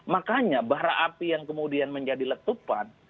makanya bara api yang kemudian menjadi letupan